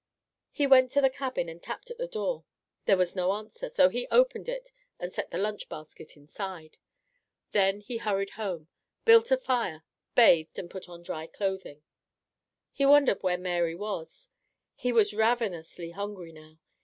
He went to the cabin and tapped at the door; there was no answer, so he opened it and set the lunch basket inside. Then he hurried home, built a fire, bathed, and put on dry clothing. He wondered where Mary was. He was ravenously hungry now.